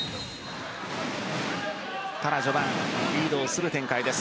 ただ、序盤リードをする展開です